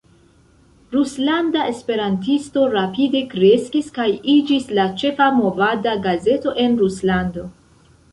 Ruslanda Esperantisto rapide kreskis kaj iĝis la ĉefa movada gazeto en Ruslando.